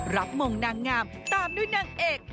มงนางงามตามด้วยนางเอก